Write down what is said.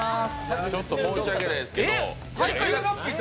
申し訳ないですけど。